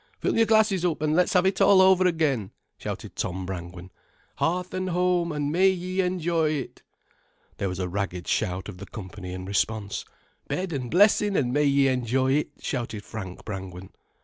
"Fill your glasses up, an' let's have it all over again," shouted Tom Brangwen. "Hearth an' home, an' may ye enjoy it." There was a ragged shout of the company in response. "Bed an' blessin', an' may ye enjoy it," shouted Frank Brangwen.